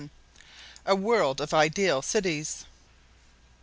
A World of Ideal Cities.